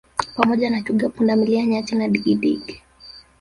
Pamoja na Twiga pundamilia Nyati na digidigi